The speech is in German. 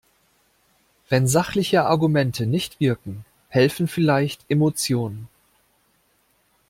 Wenn sachliche Argumente nicht wirken, helfen vielleicht Emotionen.